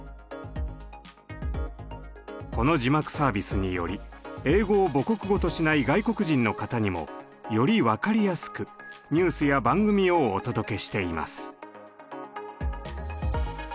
この字幕サービスにより英語を母国語としない外国人の方にもより分かりやすくニュースや番組をお届けしています。